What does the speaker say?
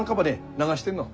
流してんの。